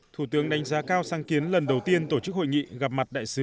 thủ tướng đánh giá cao sang kiến lần đầu tiên tổ chức hội nghị gặp mặt đại sứ